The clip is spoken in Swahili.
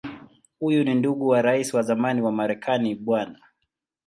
Huyu ni ndugu wa Rais wa zamani wa Marekani Bw.